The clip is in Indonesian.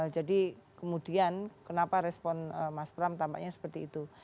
jadi kemudian kenapa respon mas pram tampaknya seperti itu